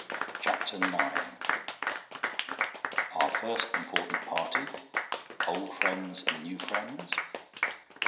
CHAPTER IX Our first important Party. Old Friends and New Friends.